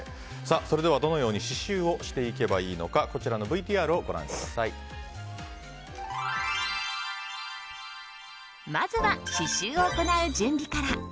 それではどのように刺しゅうをしていけばいいのかまずは刺しゅうを行う準備から。